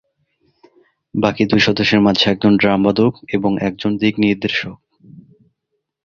বাকি দুই সদস্যের মাঝে একজন ড্রাম বাদক এবং একজন দিক নির্দেশক।